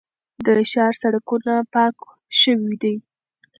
د ښار سړکونه پاک شوي دي.